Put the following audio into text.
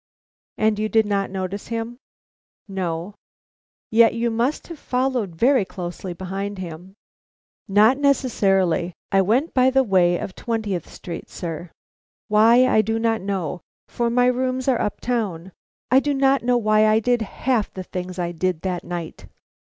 "And you did not notice him?" "No." "Yet you must have followed very closely behind him?" "Not necessarily. I went by the way of Twentieth Street, sir. Why, I do not know, for my rooms are uptown. I do not know why I did half the things I did that night."